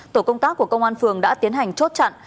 tổ công tác của công an phường đã tiến hành chốt chặn